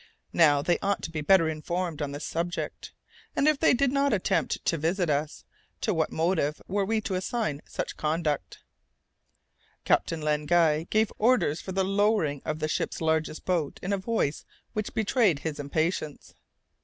Now, they ought to be better informed on this subject, and if they did not attempt to visit us, to what motive were we to assign such conduct? Captain Len Guy gave orders for the lowering of the ship's largest boat, in a voice which betrayed his impatience.